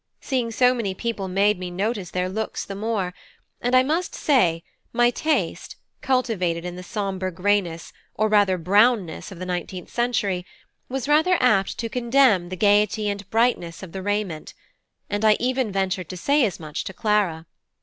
Seeing so many people made me notice their looks the more; and I must say, my taste, cultivated in the sombre greyness, or rather brownness, of the nineteenth century, was rather apt to condemn the gaiety and brightness of the raiment; and I even ventured to say as much to Clara.